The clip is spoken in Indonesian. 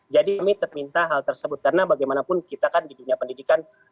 jadi kami terpinta hal tersebut karena bagaimanapun kita kan di dunia pendidikan